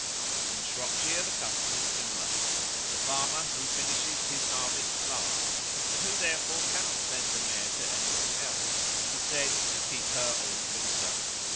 In Shropshire the custom is similar. The farmer who finishes his harvest last, and who therefore cannot send the Mare to any one else, is said "to keep her all winter."